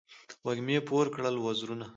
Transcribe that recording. وږمې پور کړل وزرونه